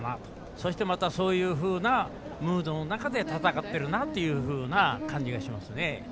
そして、またそういうふうなムードの中で戦っているなというふうな感じがしますね。